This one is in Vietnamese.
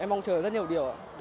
em mong chờ rất nhiều điều ạ